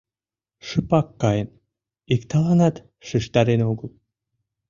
Шыпак каен, иктыланат шижтарен огыл.